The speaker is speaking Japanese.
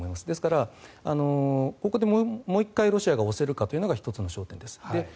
ですからここでもう１回ロシアが押せるかというのが１つの焦点です。